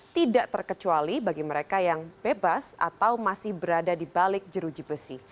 tidak terkecuali bagi mereka yang bebas atau masih berada di balik jeruji besi